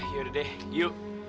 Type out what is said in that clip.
yaudah deh yuk